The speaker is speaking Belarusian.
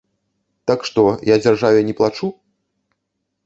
Так што, я дзяржаве не плачу?